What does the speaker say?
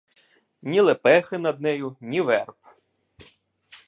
Ні лепехи над нею, ні верб.